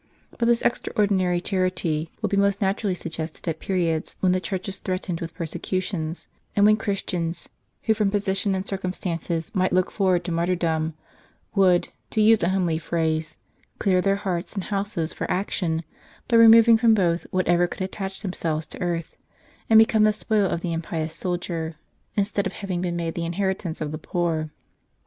But this extraordinary charity would be most naturally suggested at periods when the Church was threatened with persecution; and when Chris tians, who from position and circumstances might look forward to martyrdom, would, to use a homely phrase, clear their hearts and houses for action, by removing from both w^hatever could attach themselves to earth, and become the spoil of the impious soldier, instead of having been made the inheritance of the poor.